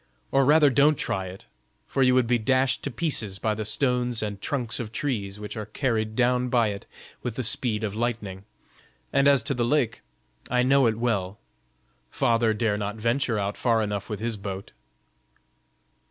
Or rather don't try it, for you would be dashed to pieces by the stones and trunks of trees which are carried down by it with the speed of lightning. And as to the lake, I know it well; father dare not venture out far enough with his boat."